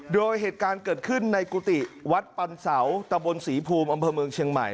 โดยเหตุการณ์เกิดขึ้นในกุฏิวัดปันเสาตะบนศรีภูมิอำเภอเมืองเชียงใหม่